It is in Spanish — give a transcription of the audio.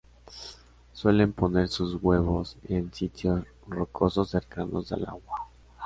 Suelen poner sus huevos en sitios rocosos cercanos al agua.